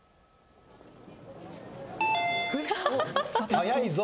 早いぞ。